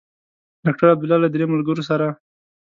ډاکټر عبدالله له درې ملګرو سره.